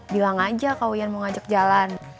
bilang aja kalau yang mau ngajak jalan